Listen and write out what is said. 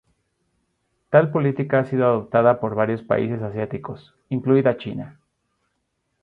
Tal política ha sido adoptada por varios países asiáticos, incluida China.